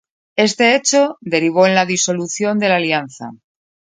Este hecho derivó en la disolución de la alianza.